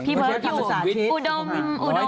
ที่เคยให้ไปจริงจักร